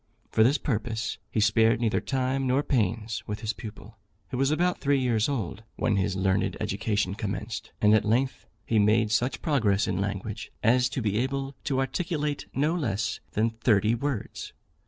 For this purpose he spared neither time nor pains with his pupil, who was about three years old when his learned education commenced; and at length he made such progress in language, as to be able to articulate no less than thirty words.